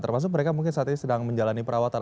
termasuk mereka mungkin saat ini sedang menjalani perawatan